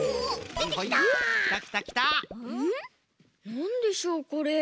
なんでしょうこれ？